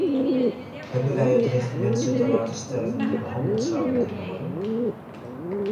Hebben wij het recht mensen te laten sterven die behandeld zouden kunnen worden?